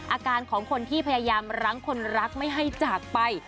อาการของคนที่พยายามรั้งคนรักไม่ให้จากไป